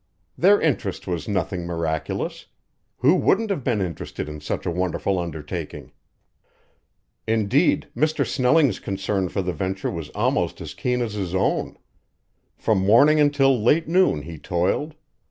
Their interest was nothing miraculous. Who wouldn't have been interested in such a wonderful undertaking? Indeed, Mr. Snelling's concern for the venture was almost as keen as his own. From morning until late noon he toiled.